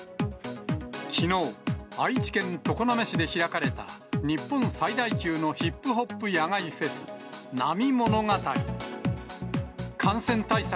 きのう、愛知県常滑市で開かれた、日本最大級のヒップホップ野外フェス、ナミモノガタリ。